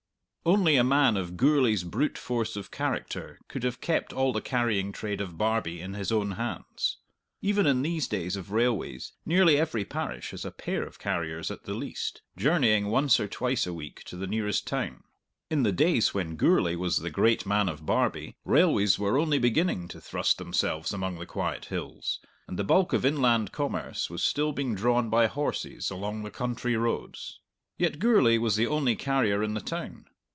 Only a man of Gourlay's brute force of character could have kept all the carrying trade of Barbie in his own hands. Even in these days of railways, nearly every parish has a pair of carriers at the least, journeying once or twice a week to the nearest town. In the days when Gourlay was the great man of Barbie, railways were only beginning to thrust themselves among the quiet hills, and the bulk of inland commerce was still being drawn by horses along the country roads. Yet Gourlay was the only carrier in the town.